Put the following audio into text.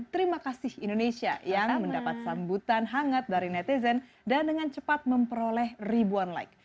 terima kasih indonesia yang mendapat sambutan hangat dari netizen dan dengan cepat memperoleh ribuan like